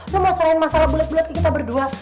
lu mau selain masalah bulet bulet kita berdua